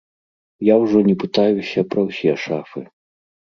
Я ўжо не пытаюся пра ўсе шафы.